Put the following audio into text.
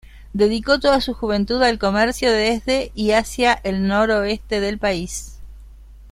Dedicó toda su juventud al comercio desde y hacia el noroeste del país.